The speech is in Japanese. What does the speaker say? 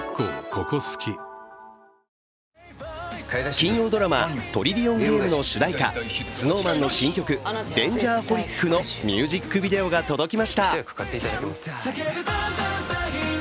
金曜ドラマ「トリリオンゲーム」の主題歌、ＳｎｏｗＭａｎの新曲「Ｄａｎｇｅｒｈｏｌｉｃ」のミュージックビデオが届きました。